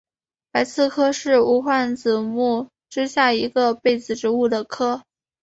白刺科是无患子目之下一个被子植物的科。